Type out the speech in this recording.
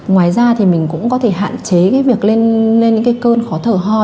ngoài ra thì mình cũng có thể hạn chế cái việc lên những cái cơn khó thở ho